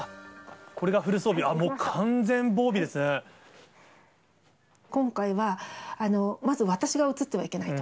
これがフル装備、あっ、今回は、まず私がうつってはいけないと。